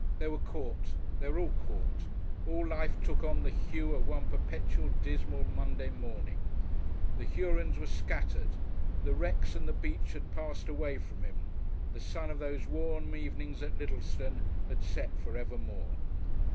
They were caught they were all caught. All life took on the hue of one perpetual, dismal Monday morning. The Hurons were scattered, the wrecks and the beach had passed away from him, the sun of those warm evenings at Littlestone had set for evermore....